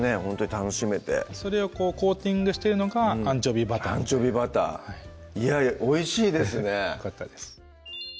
楽しめてそれをコーティングしてるのがアンチョビバターアンチョビバターおいしいですねよかったです